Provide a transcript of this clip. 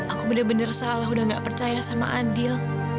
aku bener bener salah udah gak percaya sama adil